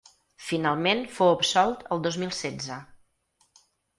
Finalment fou absolt el dos mil setze.